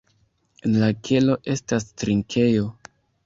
En la kelo estas trinkejo.